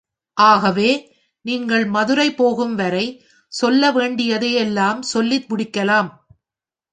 ஆகவே, நீங்கள் மதுரை போகும் வரை, சொல்ல வேண்டியதை எல்லம் சொல்லி முடிக்கலாம்.